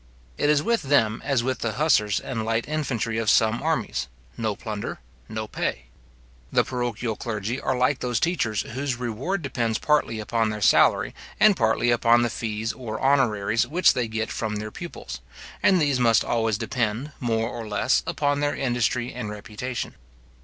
It is with them as with the hussars and light infantry of some armies; no plunder, no pay. The parochial clergy are like those teachers whose reward depends partly upon their salary, and partly upon the fees or honoraries which they get from their pupils; and these must always depend, more or less, upon their industry and reputation.